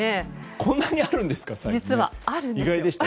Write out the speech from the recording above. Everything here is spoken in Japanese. こんなにあるんですか。